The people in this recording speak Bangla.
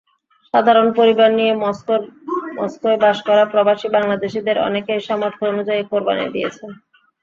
সাধারণত পরিবার নিয়ে মস্কোয় বাস করা প্রবাসী বাংলাদেশিদের অনেকই সামর্থ্য অনুযায়ী কোরবানি দিয়েছেন।